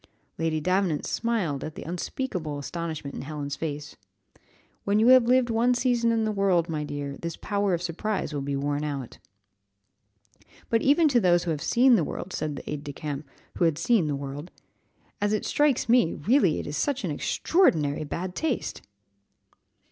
Lady Davenant smiled at the unspeakable astonishment in Helen's face. "When you have lived one season in the world, my dear child, this power of surprise will be worn out." "But even to those who have seen the world," said the aide de camp, who had seen the world, "as it strikes me, really it is such extraordinary bad taste!"